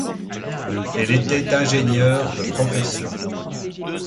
Elle était ingénieur de profession.